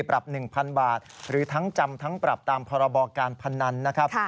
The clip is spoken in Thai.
ปรับ๑๐๐๐บาทหรือทั้งจำทั้งปรับตามพรบการพนันนะครับ